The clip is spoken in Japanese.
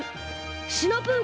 シナプー